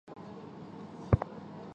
头也不回